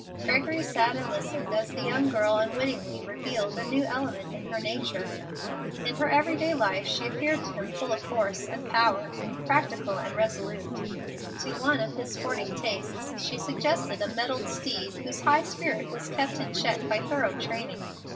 Gregory sat and listened as the young girl unwittingly revealed a new element in her nature. In her every day life she appeared to him full of force and power, practical and resolute. To one of his sporting tastes she suggested a mettled steed whose high spirit was kept in check by thorough training.